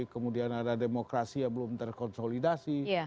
kemudian ada demokrasi yang belum terkonsolidasi